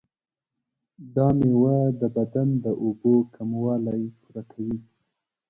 دا میوه د بدن د اوبو کموالی پوره کوي.